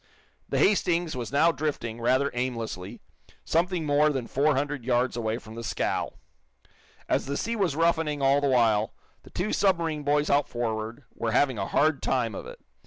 The "Hastings" was now drifting, rather aimlessly, something more than four hundred yards away from the scow. As the sea was roughening all the while, the two submarine boys out forward were having a hard time of it.